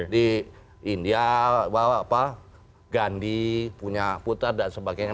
di india bawa gandhi punya putar dan sebagainya